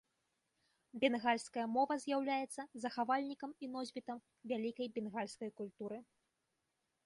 Бенгальская мова з'яўляецца захавальнікам і носьбітам вялікай бенгальскай культуры.